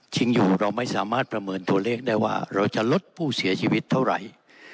อยู่เราไม่สามารถประเมินตัวเลขได้ว่าเราจะลดผู้เสียชีวิตเท่าไหร่